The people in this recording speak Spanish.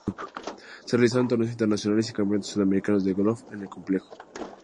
Se realizan torneos internacionales y campeonatos sudamericanos de golf en el complejo.